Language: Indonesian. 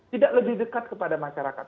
tidak lebih dekat kepada masyarakat